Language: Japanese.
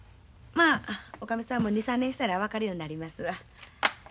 まあ女将さんも２３年したら分かるようになりますわ。